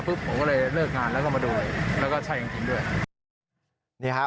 ปุ๊บผมก็เลยเลิกงานแล้วก็มาดูแล้วก็ใช่อย่างนี้ด้วย